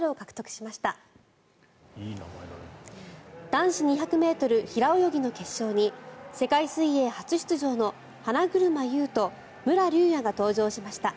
男子２００ｍ平泳ぎの決勝に世界水泳初出場の花車優と武良竜也が登場しました。